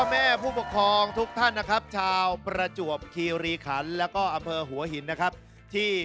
มองดูเวลาแล้วตอนนี้ใกล้เต็มที